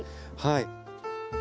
はい。